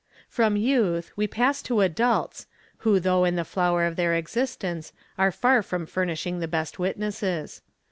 From youth we pass to adults who though in the flower of their exist ence are far from furnishing the best witnesses.